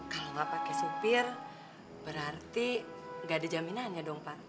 kalau gak pake sopir berarti gak ada jaminannya dong pak